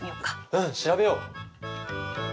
うん調べよう！